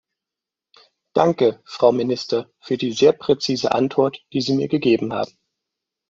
Danke, Frau Minister, für die sehr präzise Antwort, die Sie mir gegeben haben.